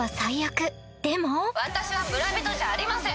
私は村人じゃありません。